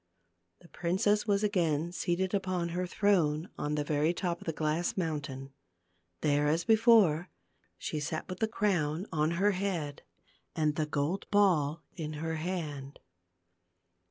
The princess was again seated upon her throne on the very top of the glass mountain. There as before, she sat with the crown on her head and the gold ball in her hand.